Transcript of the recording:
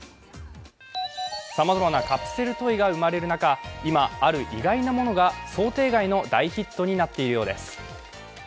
さまざまなカプセルトイが生まれる中、今、ある意外なものが想定外の大ヒットになっているようです。